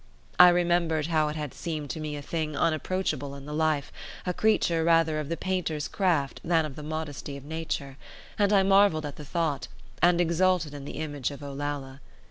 I remembered how it had seemed to me a thing unapproachable in the life, a creature rather of the painter's craft than of the modesty of nature, and I marvelled at the thought, and exulted in the image of Olalla.